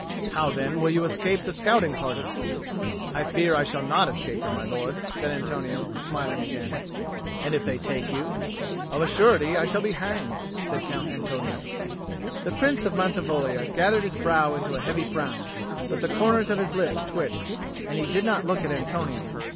"How, then, will you escape the scouting parties?" "I fear I shall not escape them, my lord," said Antonio, smiling again. "And if they take you?" "Of a surety I shall be hanged," said Count Antonio. The Prince of Mantivoglia gathered his brow into a heavy frown, but the corners of his lips twitched, and he did not look at Antonio.